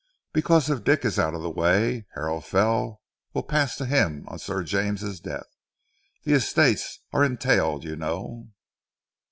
"Because if Dick is out of the way, Harrow Fell will pass to him on Sir James' death. The estates are entailed, you know."